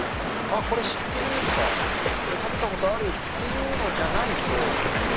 あっ、これ知ってるとか、これ食べたことあるっていうのじゃないと。